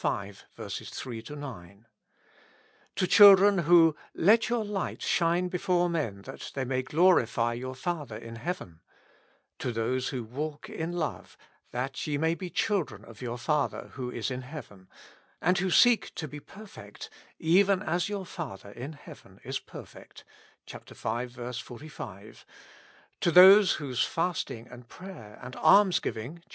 v. 3 9) : to children who " let your light shine before men that they may glorify your Father in heaven: " to those who walk in love, that ye may be children of your Father which is in heaven," and who seek to be perfect, *' even as your Father in heaven is perfect '' (v. 45) : to those whose fasting and prayer and almsgiving (vi.